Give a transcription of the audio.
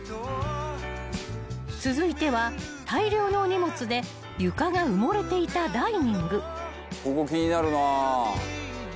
［続いては大量の荷物で床が埋もれていたダイニング］